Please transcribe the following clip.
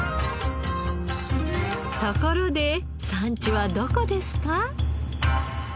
ところで産地はどこですか？